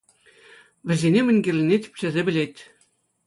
Вӗсене мӗн кирлине тӗпчесе пӗлет.